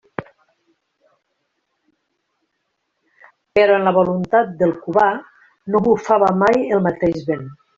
Però en la voluntat del Cubà no bufava mai el mateix vent.